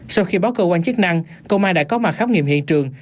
sau khi báo cơ quan chức năng công an đã có mặt khám nghiệm hiện trường